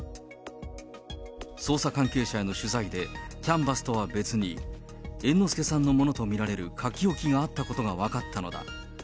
捜査関係者への取材で、キャンバスとは別に、猿之助さんのものと見られる書き置きがあったことが分かったのだ。